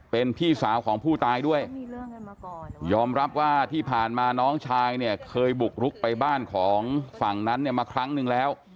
เป็นพี่สาวของผู้ตายด้วยยอมรับว่าที่ผ่านมาน้องชายเนี่ยเคยบุกรุกไปบ้านของฝั่งนั้นเนี่ยมาครั้งหนึ่งแล้ว